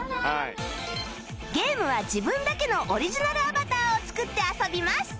ゲームは自分だけのオリジナルアバターを作って遊びます